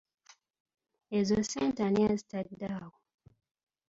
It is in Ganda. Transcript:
Ezo ssente ani azitadde awo?